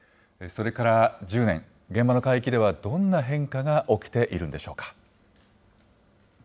それから１０年、現場の海域ではどんな変化が起きているんでしょうか。